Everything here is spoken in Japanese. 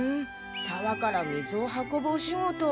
さわから水を運ぶお仕事。